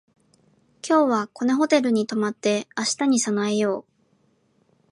今日はこのホテルに泊まって明日に備えよう